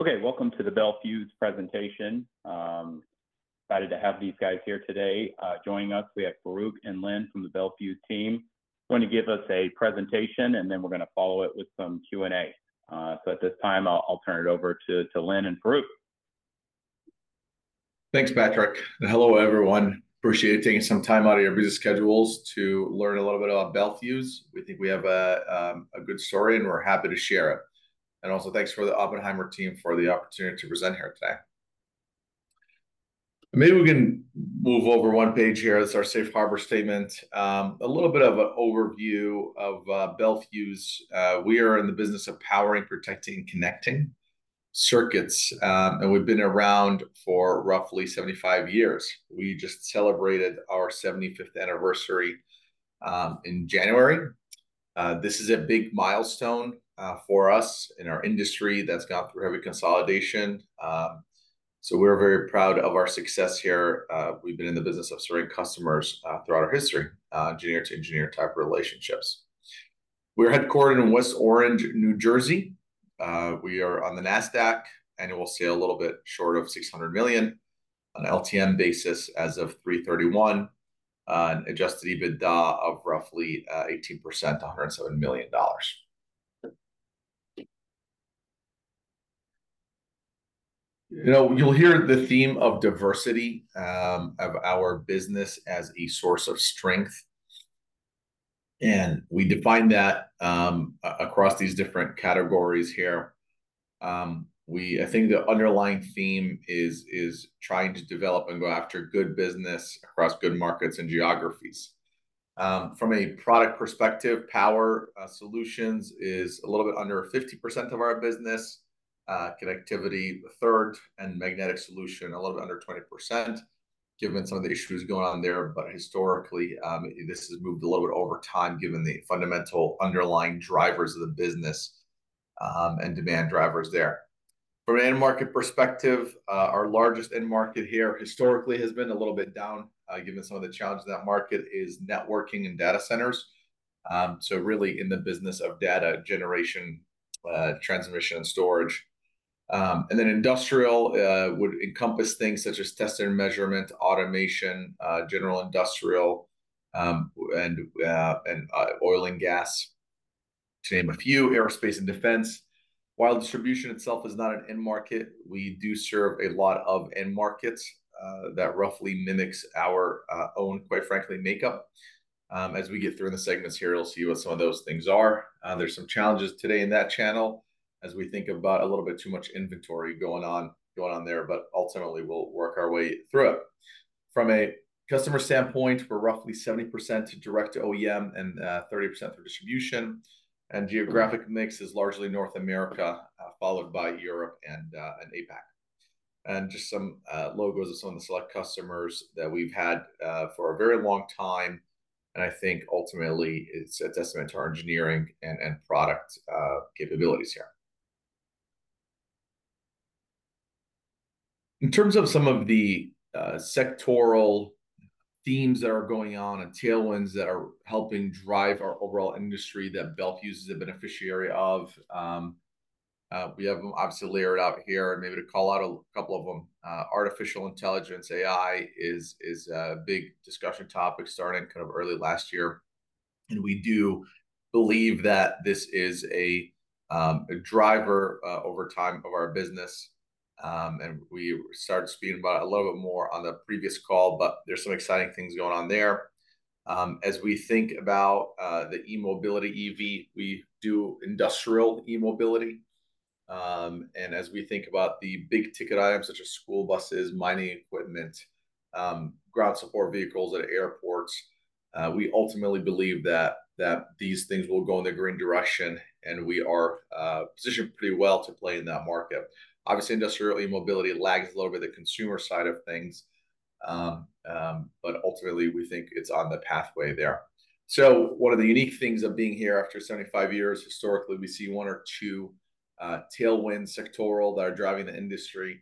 Okay, welcome to the Bel Fuse presentation. Excited to have these guys here today. Joining us, we have Farouq and Lynn from the Bel Fuse team. Going to give us a presentation, and then we're gonna follow it with some Q&A. So at this time, I'll turn it over to Lynn and Farouq. Thanks, Patrick, and hello, everyone. Appreciate you taking some time out of your busy schedules to learn a little bit about Bel Fuse. We think we have a good story, and we're happy to share it. Also, thanks for the Oppenheimer team for the opportunity to present here today. Maybe we can move over one page here. That's our safe harbor statement. A little bit of an overview of Bel Fuse. We are in the business of powering, protecting, and connecting circuits, and we've been around for roughly 75 years. We just celebrated our 75th anniversary in January. This is a big milestone for us in our industry that's gone through heavy consolidation. So we're very proud of our success here. We've been in the business of serving customers throughout our history, engineer-to-engineer type relationships. We're headquartered in West Orange, New Jersey. We are on the Nasdaq, annual sales a little bit short of $600 million on LTM basis as of 3/31, an adjusted EBITDA of roughly 18%, $107 million. You know, you'll hear the theme of diversity of our business as a source of strength, and we define that across these different categories here. I think the underlying theme is trying to develop and go after good business across good markets and geographies. From a product perspective, Power Solutions is a little bit under 50% of our business, Connectivity a third, and Magnetic Solutions a little under 20%, given some of the issues going on there. But historically, this has moved a little bit over time, given the fundamental underlying drivers of the business, and demand drivers there. From an end market perspective, our largest end market here historically has been a little bit down, given some of the challenges in that market, is networking and data centers. So really in the business of data generation, transmission, and storage. And then industrial would encompass things such as test and measurement, automation, general industrial, and oil and gas, to name a few, aerospace and defense. While distribution itself is not an end market, we do serve a lot of end markets that roughly mimics our own, quite frankly, makeup. As we get through the segments here, you'll see what some of those things are. There's some challenges today in that channel as we think about a little bit too much inventory going on, going on there, but ultimately, we'll work our way through it. From a customer standpoint, we're roughly 70% direct to OEM and 30% through distribution, and geographic mix is largely North America, followed by Europe and APAC. Just some logos of some of the select customers that we've had for a very long time, and I think ultimately, it's a testament to our engineering and product capabilities here. In terms of some of the sectoral themes that are going on and tailwinds that are helping drive our overall industry that Bel Fuse is a beneficiary of, we have them obviously layered out here and maybe to call out a couple of them. Artificial intelligence, AI, is a big discussion topic starting kind of early last year, and we do believe that this is a driver over time of our business. And we started speaking about it a little bit more on the previous call, but there's some exciting things going on there. As we think about the E-mobility EV, we do industrial E-mobility. And as we think about the big-ticket items such as school buses, mining equipment, ground support vehicles at airports, we ultimately believe that these things will go in the green direction, and we are positioned pretty well to play in that market. Obviously, industrial E-mobility lags a little bit the consumer side of things, but ultimately, we think it's on the pathway there. So one of the unique things of being here after 75 years, historically, we see one or two tailwind sectoral that are driving the industry.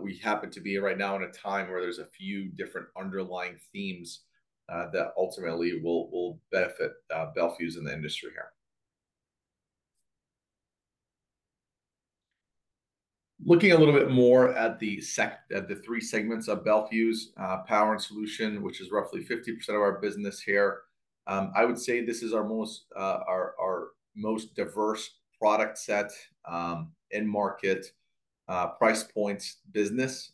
We happen to be right now in a time where there's a few different underlying themes that ultimately will benefit Bel Fuse and the industry here. Looking a little bit more at the three segments of Bel Fuse, Power Solutions, which is roughly 50% of our business here, I would say this is our most diverse product set, end market, price points business.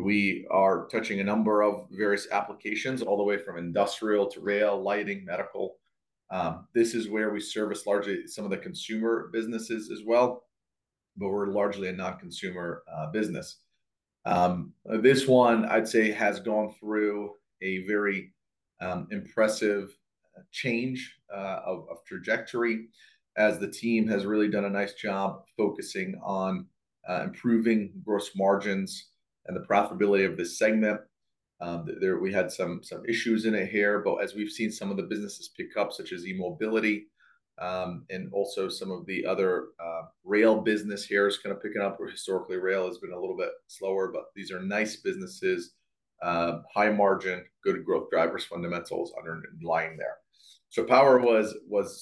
We are touching a number of various applications all the way from industrial to rail, lighting, medical. This is where we service largely some of the consumer businesses as well, but we're largely a non-consumer business. This one, I'd say, has gone through a very impressive change of trajectory as the team has really done a nice job focusing on improving gross margins and the profitability of this segment. There, we had some issues in it here, but as we've seen some of the businesses pick up, such as E-mobility, and also some of the other rail business here is kind of picking up, where historically, rail has been a little bit slower, but these are nice businesses, high margin, good growth drivers, fundamentals underlying there. So power was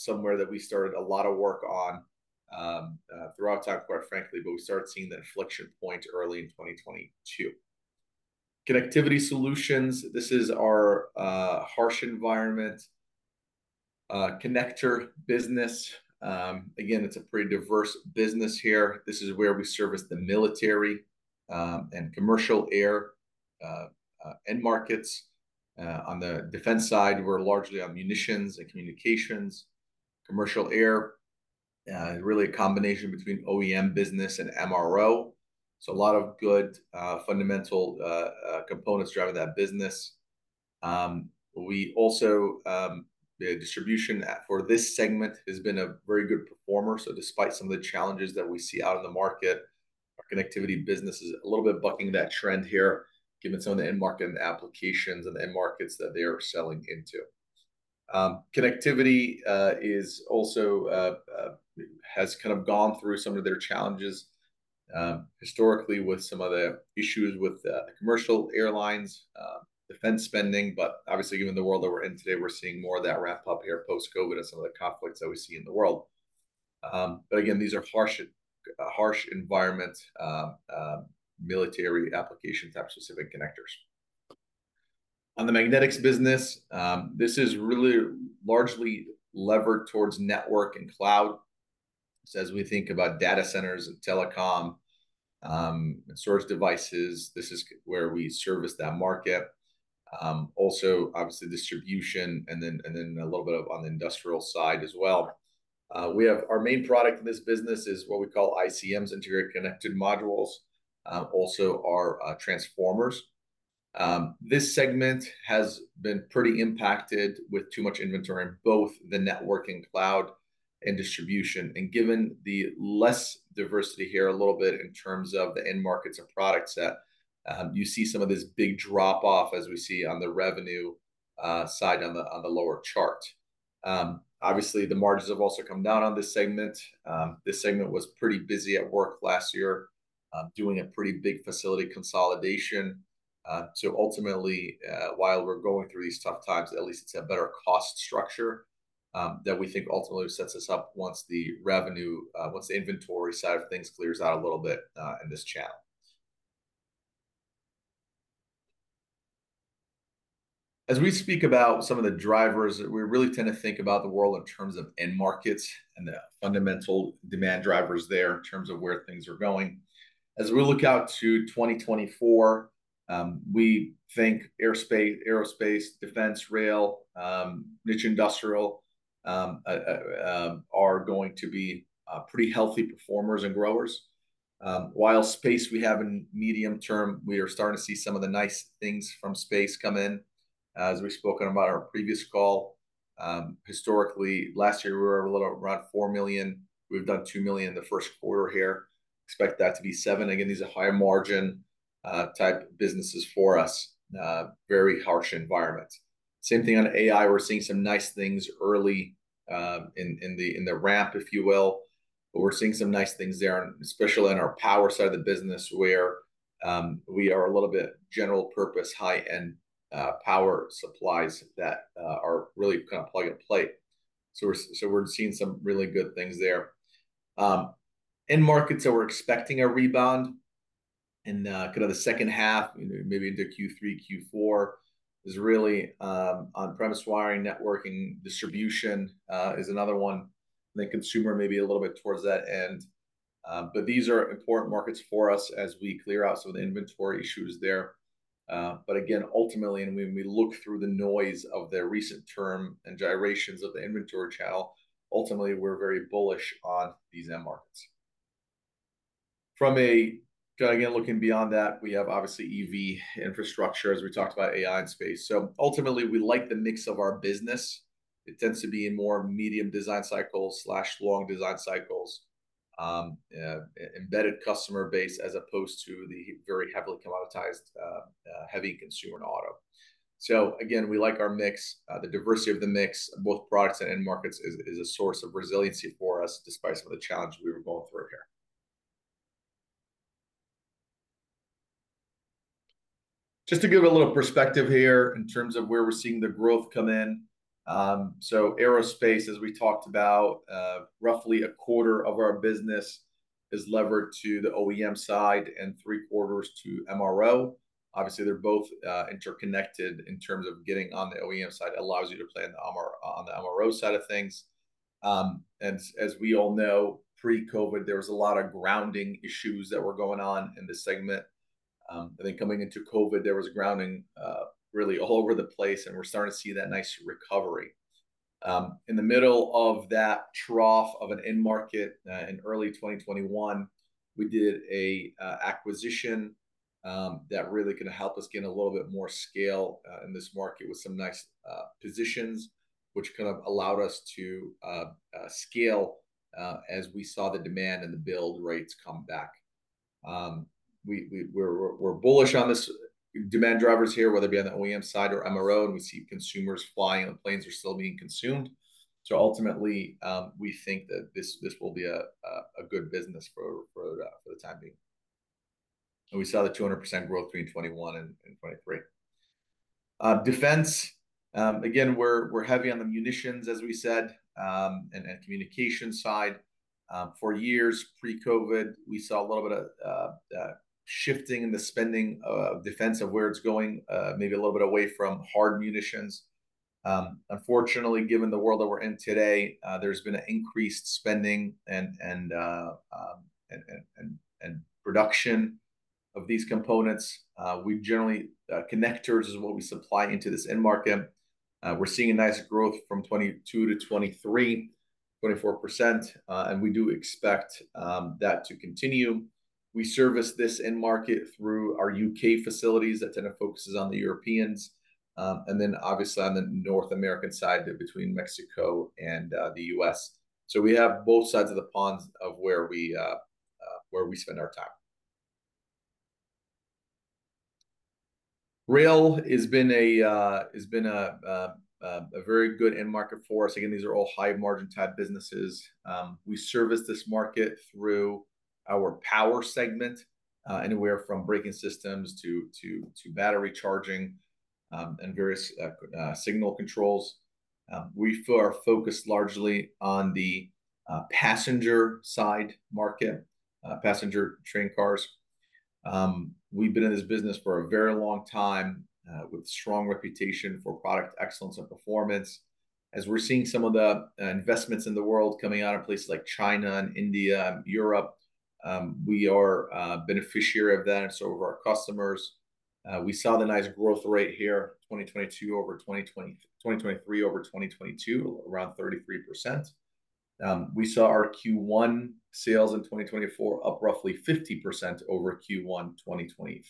somewhere that we started a lot of work on throughout time, quite frankly, but we started seeing the inflection point early in 2022. Connectivity Solutions, this is our harsh environment connector business. Again, it's a pretty diverse business here. This is where we service the military, and commercial air, end markets. On the defense side, we're largely on munitions and communications, commercial air, really a combination between OEM business and MRO. So a lot of good, fundamental, components driving that business. We also, the distribution for this segment has been a very good performer, so despite some of the challenges that we see out in the market, our connectivity business is a little bit bucking that trend here, given some of the end market and applications and the end markets that they are selling into. Connectivity is also, has kind of gone through some of their challenges, historically with some of the issues with, the commercial airlines, defense spending. But obviously, given the world that we're in today, we're seeing more of that ramp up here post-COVID and some of the conflicts that we see in the world. But again, these are harsh environment military application-type specific connectors. On the magnetics business, this is really largely levered towards network and cloud. So as we think about data centers and telecom, and source devices, this is where we service that market. Also, obviously, distribution, and then a little bit on the industrial side as well. We have our main product in this business is what we call ICMs, Integrated Connector Modules, also our transformers. This segment has been pretty impacted with too much inventory in both the networking, cloud, and distribution, and given the less diversity here, a little bit in terms of the end markets and product set, you see some of this big drop-off as we see on the revenue side on the lower chart. Obviously, the margins have also come down on this segment. This segment was pretty busy at work last year, doing a pretty big facility consolidation. So ultimately, while we're going through these tough times, at least it's a better cost structure that we think ultimately sets us up once the inventory side of things clears out a little bit in this channel. As we speak about some of the drivers, we really tend to think about the world in terms of end markets and the fundamental demand drivers there in terms of where things are going. As we look out to 2024, we think aerospace, defense, rail, niche industrial, are going to be pretty healthy performers and growers. While space we have in medium term, we are starting to see some of the nice things from space come in. As we've spoken about our previous call, historically, last year, we were a little around $4 million. We've done $2 million in the first quarter here. Expect that to be $7 million. Again, these are high margin type businesses for us, very harsh environments. Same thing on AI. We're seeing some nice things early in the ramp, if you will, but we're seeing some nice things there, and especially in our power side of the business, where we are a little bit general purpose, high-end power supplies that are really kind of plug and play. So we're seeing some really good things there. End markets that we're expecting a rebound in kind of the second half, maybe into Q3, Q4, is really on-premise wiring, networking, distribution is another one, and then consumer, maybe a little bit towards that end. But these are important markets for us as we clear out some of the inventory issues there. But again, ultimately, and when we look through the noise of their recent term and gyrations of the inventory channel, ultimately, we're very bullish on these end markets. From a. Again, looking beyond that, we have obviously EV infrastructure, as we talked about AI and space. So ultimately, we like the mix of our business. It tends to be in more medium design cycles slash long design cycles, embedded customer base, as opposed to the very heavily commoditized, heavy consumer and auto. So again, we like our mix. The diversity of the mix, both products and end markets, is a source of resiliency for us, despite some of the challenges we were going through here. Just to give a little perspective here in terms of where we're seeing the growth come in. So aerospace, as we talked about, roughly a quarter of our business is levered to the OEM side and three-quarters to MRO. Obviously, they're both, interconnected in terms of getting on the OEM side, allows you to play on the MRO side of things. And as we all know, pre-COVID, there was a lot of grounding issues that were going on in the segment. I think coming into COVID, there was grounding, really all over the place, and we're starting to see that nice recovery. In the middle of that trough of an end market, in early 2021, we did an acquisition that really kinda helped us gain a little bit more scale in this market with some nice positions, which kind of allowed us to scale as we saw the demand and the build rates come back. We're bullish on this demand drivers here, whether it be on the OEM side or MRO, and we see consumers flying, and planes are still being consumed. So ultimately, we think that this will be a good business for the time being, and we saw the 200% growth between 2021 and 2023. Defense, again, we're heavy on the munitions, as we said, and communication side. For years, pre-COVID, we saw a little bit of shifting in the spending, defense of where it's going, maybe a little bit away from hard munitions. Unfortunately, given the world that we're in today, there's been an increased spending and production of these components. We generally, connectors is what we supply into this end market. We're seeing a nice growth from 2022 to 2023, 24%, and we do expect that to continue. We service this end market through our U.K. facilities that tend to focuses on the Europeans, and then obviously on the North American side, between Mexico and the US. So we have both sides of the pond of where we spend our time. Rail has been a very good end market for us. Again, these are all high-margin type businesses. We service this market through our power segment, anywhere from braking systems to battery charging, and various signal controls. We are focused largely on the passenger side market, passenger train cars. We've been in this business for a very long time, with strong reputation for product excellence and performance. As we're seeing some of the investments in the world coming out of places like China and India and Europe, we are a beneficiary of that and so are our customers. We saw the nice growth rate here, 2023 over 2022, around 33%. We saw our Q1 sales in 2024 up roughly 50% over Q1 2023.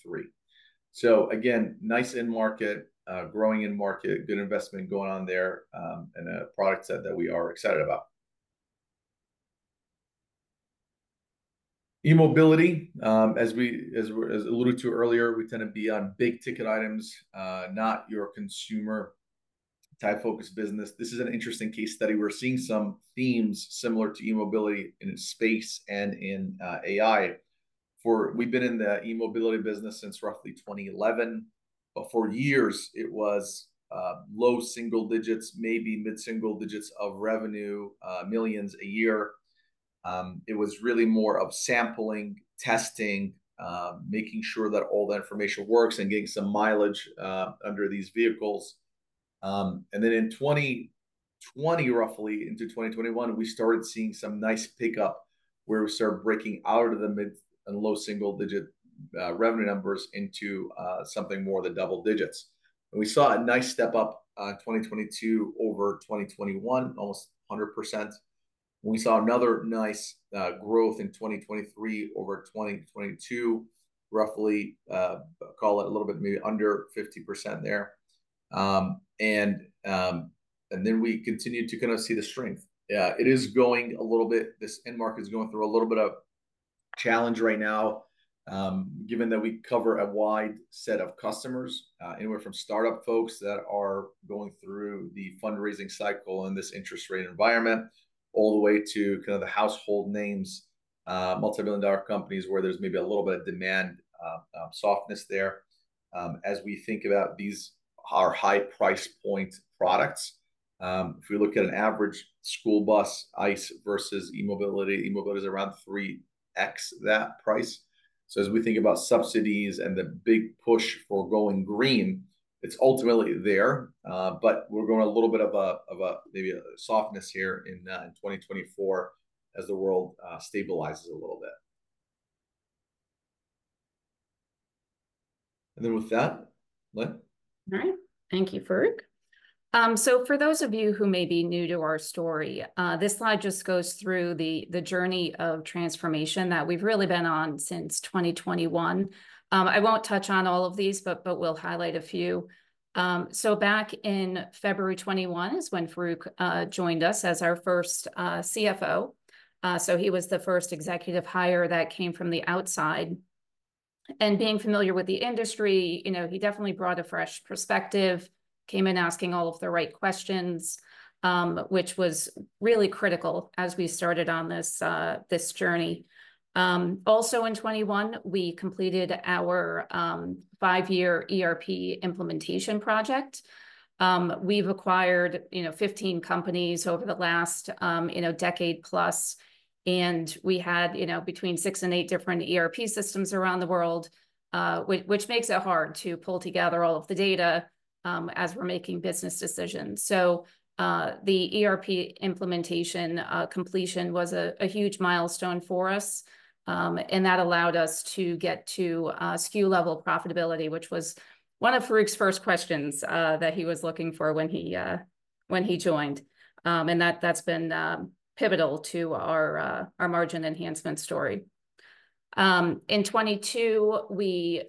So again, nice end market, growing end market, good investment going on there, and a product set that we are excited about. E-mobility, as we alluded to earlier, we tend to be on big-ticket items, not your consumer-type focused business. This is an interesting case study. We're seeing some themes similar to E-mobility in space and in AI. We've been in the E-mobility business since roughly 2011, but for years, it was low single digits, maybe mid-single digits of revenue, millions a year. It was really more of sampling, testing, making sure that all that information works, and getting some mileage under these vehicles. And then in 2020, roughly into 2021, we started seeing some nice pickup, where we started breaking out of the mid- and low single-digit revenue numbers into something more than double digits. And we saw a nice step-up 2022 over 2021, almost 100%. We saw another nice growth in 2023 over 2022, roughly, call it a little bit maybe under 50% there. And then we continued to kind of see the strength. Yeah, it is going a little bit. This end market is going through a little bit of challenge right now, given that we cover a wide set of customers, anywhere from start-up folks that are going through the fundraising cycle in this interest rate environment, all the way to kind of the household names, multi-million dollar companies, where there's maybe a little bit of demand, softness there. As we think about these, our high price point products, if we look at an average school bus, ICE versus e-mobility, e-mobility is around 3x that price. So as we think about subsidies and the big push for going green, it's ultimately there, but we're going a little bit of a, maybe a softness here in 2024, as the world stabilizes a little bit. And then with that, Lynn? All right. Thank you, Farouq. So for those of you who may be new to our story, this slide just goes through the journey of transformation that we've really been on since 2021. I won't touch on all of these, but we'll highlight a few. So back in February 2021 is when Farouq joined us as our first CFO. So he was the first executive hire that came from the outside. Being familiar with the industry, you know, he definitely brought a fresh perspective, came in asking all of the right questions, which was really critical as we started on this journey. Also in 2021, we completed our five year ERP implementation project. We've acquired, you know, 15 companies over the last, you know, decade-plus, and we had, you know, between six and eight different ERP systems around the world, which makes it hard to pull together all of the data, as we're making business decisions. So, the ERP implementation completion was a huge milestone for us, and that allowed us to get to SKU level profitability, which was one of Farouq's first questions that he was looking for when he joined. And that, that's been pivotal to our margin enhancement story. In 2022, we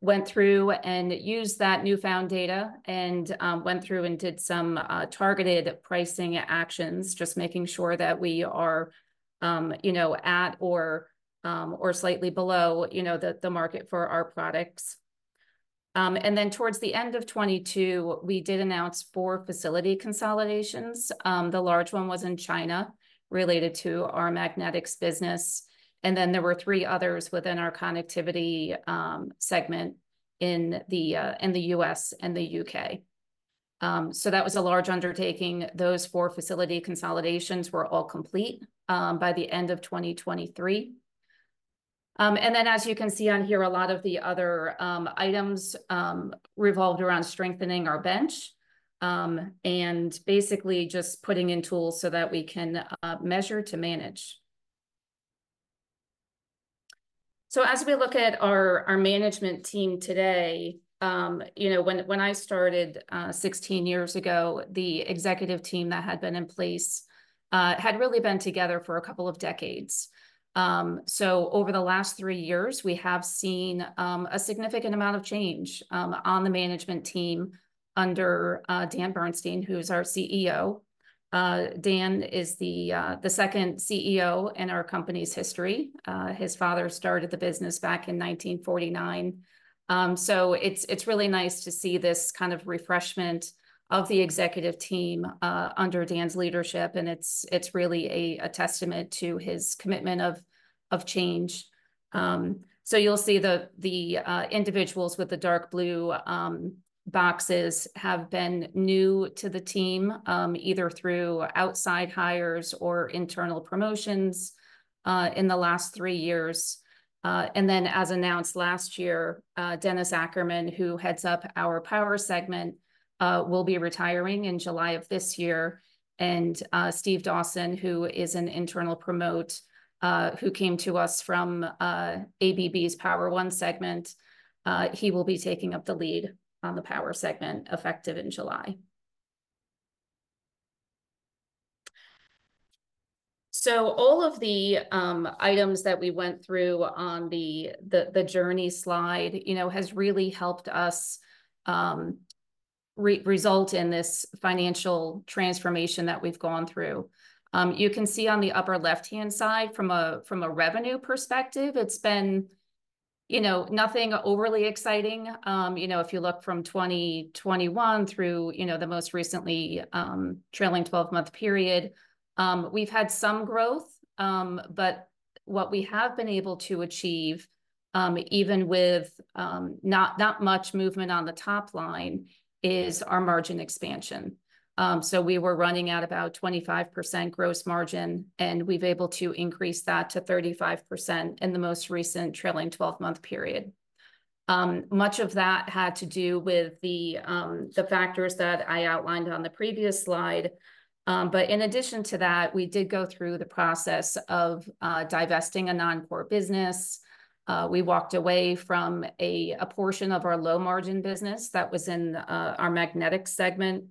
went through and used that newfound data and went through and did some targeted pricing actions, just making sure that we are, you know, at or slightly below, you know, the market for our products. And then towards the end of 2022, we did announce four facility consolidations. The large one was in China, related to our magnetics business, and then there were three others within our connectivity segment in the U.S. and the U.K. So that was a large undertaking. Those four facility consolidations were all complete by the end of 2023. And then as you can see on here, a lot of the other items revolved around strengthening our bench and basically just putting in tools so that we can measure to manage. So as we look at our management team today, you know, when I started 16 years ago, the executive team that had been in place had really been together for a couple of decades. So over the last three years, we have seen a significant amount of change on the management team under Dan Bernstein, who's our CEO. Dan is the second CEO in our company's history. His father started the business back in 1949. So it's really nice to see this kind of refreshment of the executive team under Dan's leadership, and it's really a testament to his commitment of change. So you'll see the individuals with the dark blue boxes have been new to the team, either through outside hires or internal promotions, in the last three years. And then, as announced last year, Dennis Ackerman, who heads up our power segment, will be retiring in July of this year, and Steve Dawson, who is an internal promote, who came to us from ABB's Power-One segment, he will be taking up the lead on the power segment, effective in July. So all of the items that we went through on the journey slide, you know, has really helped us result in this financial transformation that we've gone through. You can see on the upper left-hand side, from a revenue perspective, it's been, you know, nothing overly exciting. You know, if you look from 2021 through, you know, the most recent trailing 12-months period, we've had some growth. But what we have been able to achieve, even with not much movement on the top line, is our margin expansion. So we were running at about 25% gross margin, and we've been able to increase that to 35% in the most recent trailing 12-months period. Much of that had to do with the factors that I outlined on the previous slide. But in addition to that, we did go through the process of divesting a non-core business. We walked away from a portion of our low-margin business that was in our magnetic segment.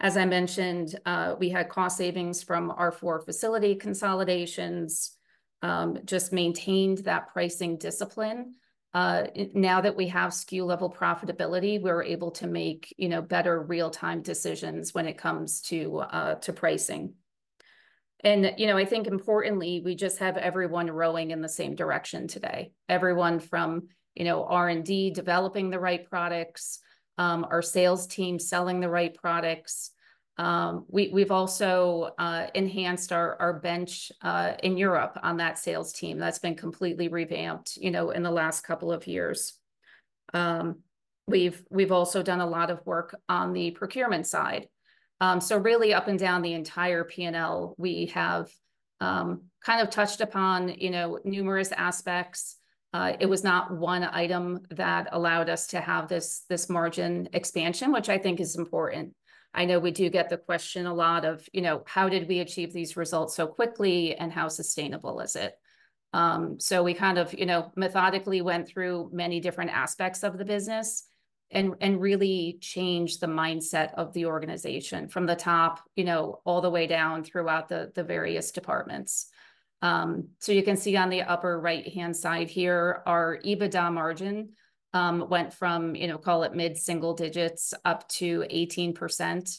As I mentioned, we had cost savings from our four facility consolidations, just maintained that pricing discipline. Now that we have SKU level profitability, we're able to make, you know, better real-time decisions when it comes to to pricing. And, you know, I think importantly, we just have everyone rowing in the same direction today. Everyone from, you know, R&D, developing the right products, our sales team selling the right products. We, we've also enhanced our, our bench in Europe on that sales team. That's been completely revamped, you know, in the last couple of years. We've, we've also done a lot of work on the procurement side. So really up and down the entire P&L, we have kind of touched upon, you know, numerous aspects. It was not one item that allowed us to have this, this margin expansion, which I think is important. I know we do get the question a lot of, you know, "How did we achieve these results so quickly, and how sustainable is it?" So we kind of, you know, methodically went through many different aspects of the business, and really changed the mindset of the organization from the top, you know, all the way down throughout the various departments. So you can see on the upper right-hand side here, our EBITDA margin went from, you know, call it mid-single digits up to 18%.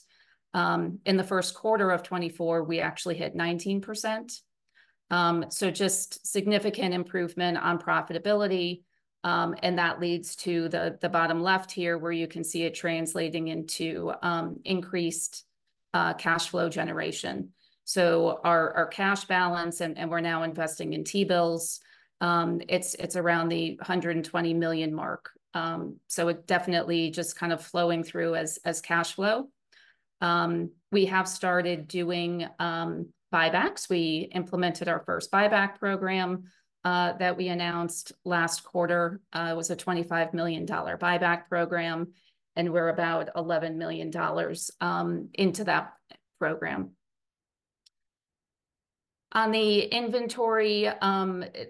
In the first quarter of 2024, we actually hit 19%, so just significant improvement on profitability. And that leads to the bottom left here, where you can see it translating into increased cash flow generation. So our cash balance, and we're now investing in T-bills, it's around the $120 million mark. So it definitely just kind of flowing through as cash flow. We have started doing buybacks. We implemented our first buyback program that we announced last quarter. It was a $25 million buyback program, and we're about $11 million into that program. On the inventory,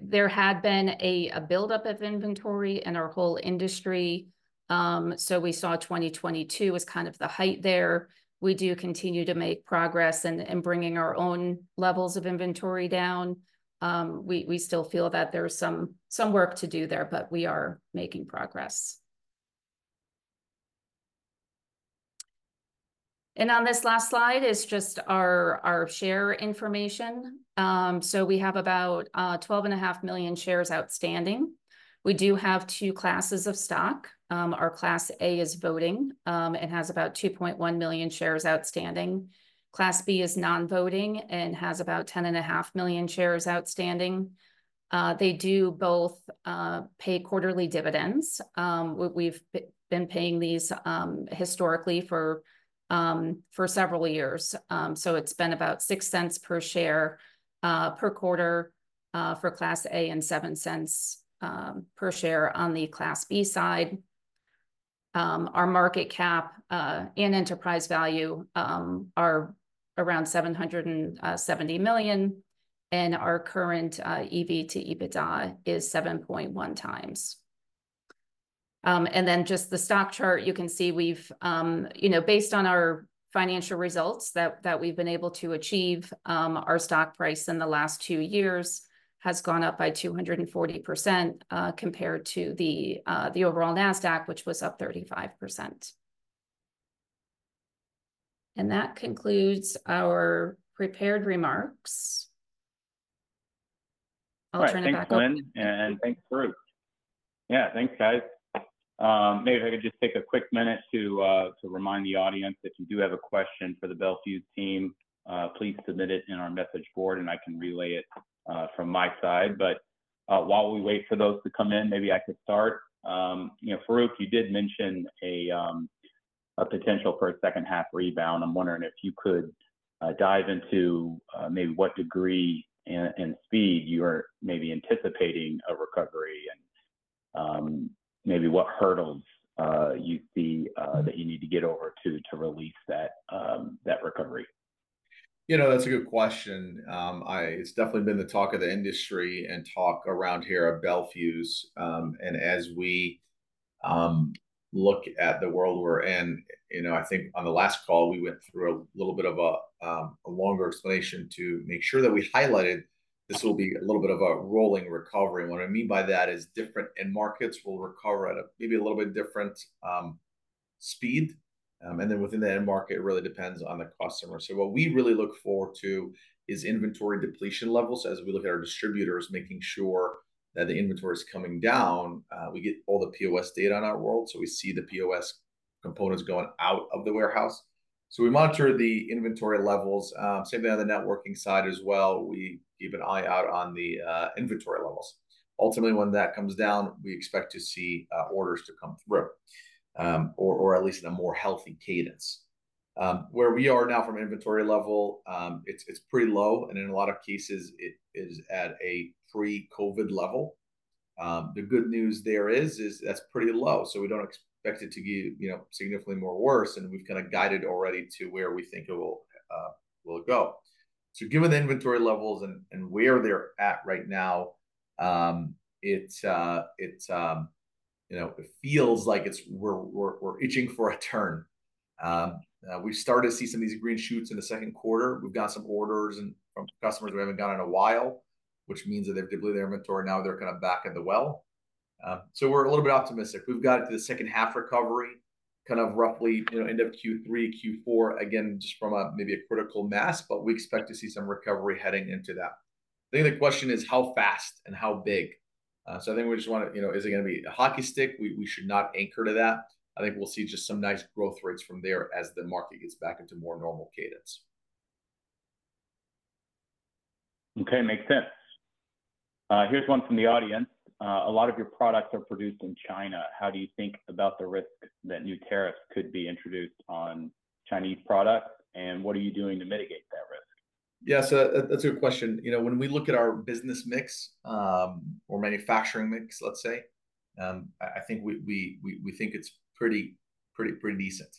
there had been a buildup of inventory in our whole industry. So we saw 2022 as kind of the height there. We do continue to make progress in bringing our own levels of inventory down. We still feel that there's some work to do there, but we are making progress. And on this last slide is just our share information. So we have about 12.5 million shares outstanding. We do have two classes of stock. Our Class A is voting and has about 2.1 million shares outstanding. Class B is non-voting and has about 10.5 million shares outstanding. They both pay quarterly dividends. We've been paying these historically for several years. So it's been about $0.06 per share per quarter for Class A, and $0.07 per share on the Class B side. Our market cap and enterprise value are around $770 million, and our current EV to EBITDA is 7.1x. And then just the stock chart, you can see we've... You know, based on our financial results that we've been able to achieve, our stock price in the last two years has gone up by 240%, compared to the overall Nasdaq, which was up 35%. And that concludes our prepared remarks. I'll turn it back over- All right. Thanks, Lynn, and thanks, Farouq. Yeah, thanks, guys. Maybe if I could just take a quick minute to remind the audience, if you do have a question for the Bel Fuse team, please submit it in our message board, and I can relay it from my side. While we wait for those to come in, maybe I could start. You know, Farouq, you did mention a potential for a second half rebound. I'm wondering if you could dive into maybe what degree and speed you are maybe anticipating a recovery, and maybe what hurdles you see that you need to get over to release that recovery? You know, that's a good question. It's definitely been the talk of the industry and talk around here at Bel Fuse. And as we look at the world we're in, you know, I think on the last call, we went through a little bit of a longer explanation to make sure that we highlighted this will be a little bit of a rolling recovery. What I mean by that is different end markets will recover at a maybe a little bit different speed. And then within the end market, it really depends on the customer. So what we really look forward to is inventory depletion levels. As we look at our distributors, making sure that the inventory is coming down, we get all the POS data in our world, so we see the POS components going out of the warehouse. So we monitor the inventory levels. Same thing on the networking side as well. We keep an eye out on the inventory levels. Ultimately, when that comes down, we expect to see orders to come through, or at least in a more healthy cadence. Where we are now from an inventory level, it's pretty low, and in a lot of cases, it is at a pre-COVID level. The good news there is that's pretty low, so we don't expect it to get, you know, significantly more worse, and we've kind of guided already to where we think it will go. So given the inventory levels and where they're at right now, it's you know it feels like it's we're itching for a turn. We've started to see some of these green shoots in the second quarter. We've got some orders in from customers we haven't got in a while, which means that they've depleted their inventory. Now they're kind of back in the well. So we're a little bit optimistic. We've got the second half recovery kind of roughly, you know, end of Q3, Q4, again, just from a maybe a critical mass, but we expect to see some recovery heading into that. I think the question is how fast and how big? So I think we just wanna... You know, is it gonna be a hockey stick? We, we should not anchor to that. I think we'll see just some nice growth rates from there as the market gets back into more normal cadence. Okay, makes sense. Here's one from the audience: "A lot of your products are produced in China. How do you think about the risk that new tariffs could be introduced on Chinese product, and what are you doing to mitigate that risk? Yeah, so that's a good question. You know, when we look at our business mix, or manufacturing mix, let's say, I think we think it's pretty decent.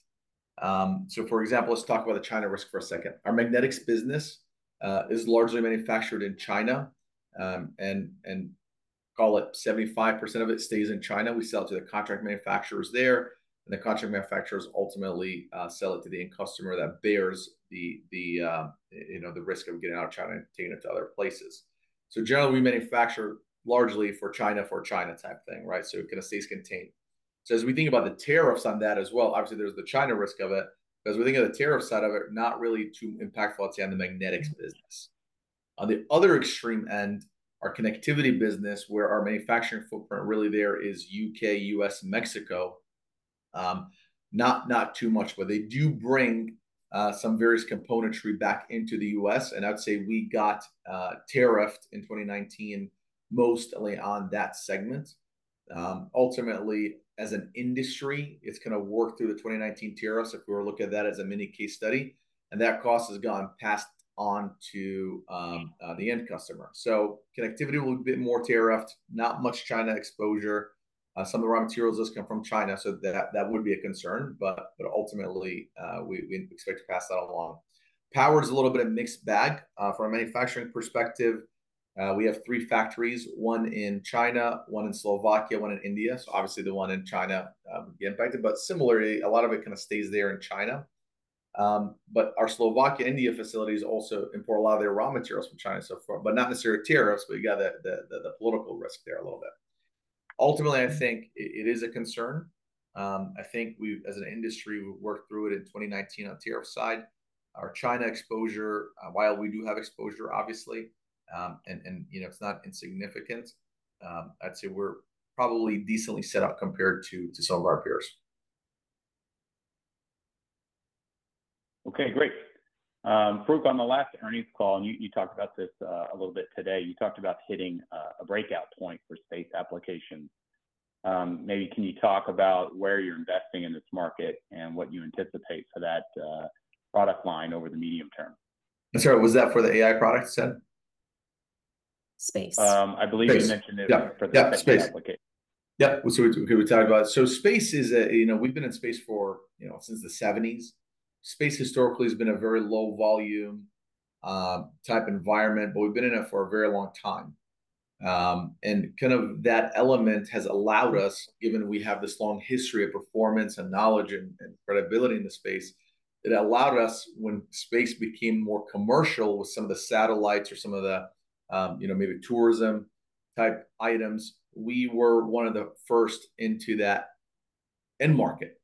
So for example, let's talk about the China risk for a second. Our magnetics business is largely manufactured in China, and call it 75% of it stays in China. We sell to the contract manufacturers there, and the contract manufacturers ultimately sell it to the end customer that bears the, you know, the risk of getting out of China and taking it to other places. So generally, we manufacture largely for China, for China type thing, right? So as we think about the tariffs on that as well, obviously, there's the China risk of it. As we think of the tariff side of it, not really too impactful, I'd say, on the magnetics business. On the other extreme end, our connectivity business, where our manufacturing footprint really there is U.K., U.S., Mexico, not too much, but they do bring some various componentry back into the U.S., and I'd say we got tariffed in 2019 mostly on that segment. Ultimately, as an industry, it's gonna work through the 2019 tariffs if we were to look at that as a mini case study, and that cost has gone passed on to the end customer. So connectivity will be more tariffed, not much China exposure. Some of the raw materials does come from China, so that would be a concern, but ultimately we expect to pass that along. Power is a little bit of a mixed bag. From a manufacturing perspective, we have three factories, one in China, one in Slovakia, one in India. So obviously, the one in China would be impacted, but similarly, a lot of it kind of stays there in China. But our Slovakia, India facilities also import a lot of their raw materials from China and so forth, but not necessarily tariffs, but you got the political risk there a little bit. Ultimately, I think it is a concern. I think we, as an industry, we worked through it in 2019 on tariff side. Our China exposure, while we do have exposure, obviously, and, and, you know, it's not insignificant, I'd say we're probably decently set up compared to some of our peers. Okay, great. Farouq, on the last earnings call, and you, you talked about this, a little bit today, you talked about hitting a breakout point for space application. Maybe can you talk about where you're investing in this market and what you anticipate for that product line over the medium term? I'm sorry, was that for the AI products, Ted? Space. I believe- Space You mentioned it. Yeah - for the space application. Yeah. So space is a... You know, we've been in space for, you know, since the seventies. Space historically has been a very low volume type environment, but we've been in it for a very long time. And kind of that element has allowed us, given we have this long history of performance and knowledge and credibility in the space, it allowed us, when space became more commercial with some of the satellites or some of the, you know, maybe tourism-type items, we were one of the first into that end market.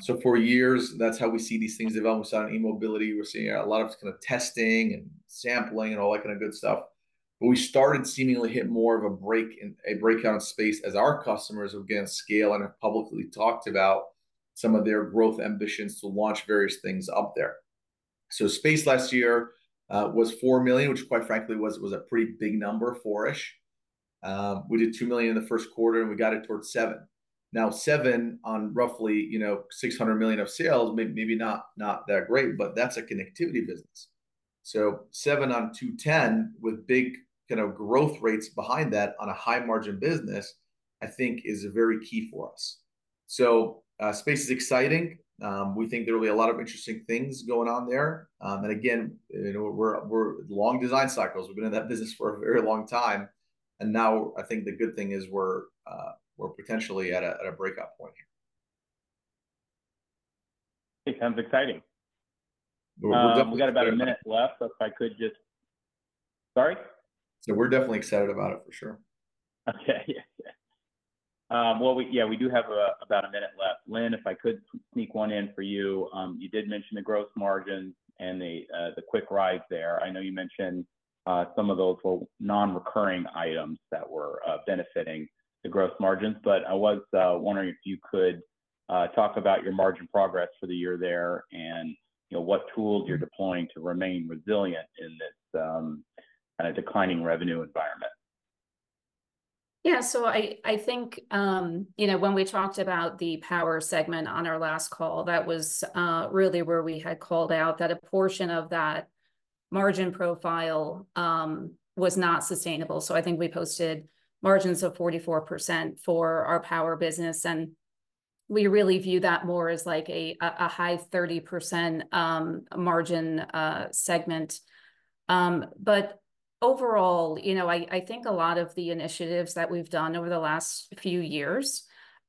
So for years, that's how we see these things develop. We saw it in E-mobility. We're seeing a lot of kind of testing and sampling and all that kind of good stuff. But we started seemingly hit more of a breakout in space as our customers were getting scale and have publicly talked about some of their growth ambitions to launch various things up there. So space last year was $4 million, which quite frankly was a pretty big number, four-ish. We did $2 million in the first quarter, and we guided towards $7 million. Now, $7 million on roughly, you know, $600 million of sales, maybe not that great, but that's a connectivity business. So $7 million on $210 million, with big kind of growth rates behind that on a high-margin business, I think is very key for us. So space is exciting. We think there will be a lot of interesting things going on there. And again, you know, we're long design cycles. We've been in that business for a very long time, and now I think the good thing is we're potentially at a breakout point here. It sounds exciting. We're definitely- We got about a minute left, so if I could just... Sorry? We're definitely excited about it, for sure. Okay. Yeah, yeah. Well, we do have about a minute left. Lynn, if I could sneak one in for you. You did mention the growth margin and the quick rise there. I know you mentioned some of those were non-recurring items that were benefiting the growth margins, but I was wondering if you could talk about your margin progress for the year there and, you know, what tools you're deploying to remain resilient in this declining revenue environment. Yeah. So I think, you know, when we talked about the power segment on our last call, that was really where we had called out that a portion of that margin profile was not sustainable. So I think we posted margins of 44% for our power business, and we really view that more as like a high 30% margin segment. But overall, you know, I think a lot of the initiatives that we've done over the last few years,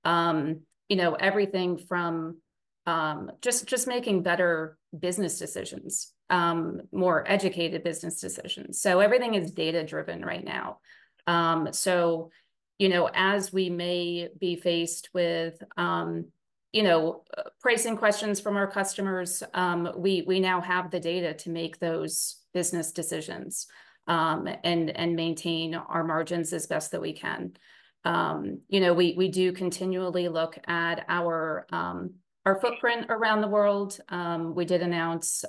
you know, everything from just making better business decisions, more educated business decisions. So everything is data-driven right now. So, you know, as we may be faced with, you know, pricing questions from our customers, we, we now have the data to make those business decisions, and, and maintain our margins as best that we can. You know, we, we do continually look at our, our footprint around the world. We did announce,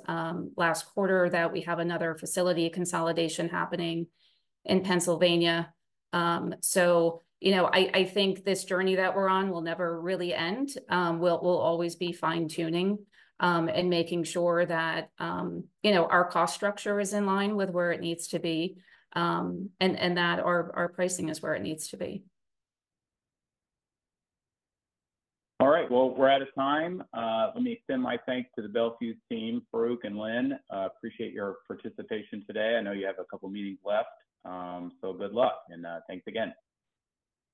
last quarter that we have another facility consolidation happening in Pennsylvania. So, you know, I, I think this journey that we're on will never really end. We'll, we'll always be fine-tuning, and making sure that, you know, our cost structure is in line with where it needs to be, and, and that our, our pricing is where it needs to be. All right. Well, we're out of time. Let me extend my thanks to the Bel Fuse team, Farouq and Lynn. Appreciate your participation today. I know you have a couple meetings left, so good luck, and thanks again.